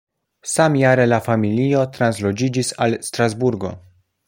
Samjare la familio transloĝiĝis al Strasburgo.